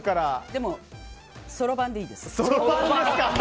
でもそろ盤でいいです。